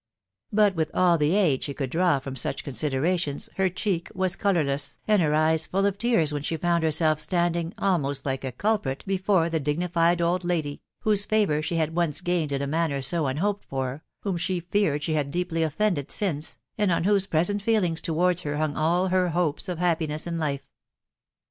But with all the aid she could draw from such consider ations her cheek was colourless, and her eyes full of tears, when she found herself standing almost like a culprit before the dignified old lady, whose favour she had once gained in a manner so unhoped for, whom she feared she had deeply offended since, and on whose present feelings towards her hung all her hopes of happiness in life.